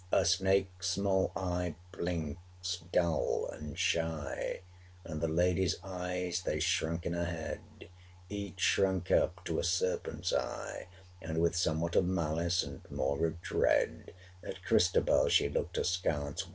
A snake's small eye blinks dull and shy; And the lady's eyes they shrunk in her head, Each shrunk up to a serpent's eye, 585 And with somewhat of malice, and more of dread, At Christabel she looked askance!